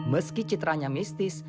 meski citaranya mistis